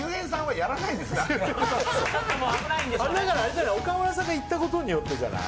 危ないから岡村さんが行ったことによってじゃない？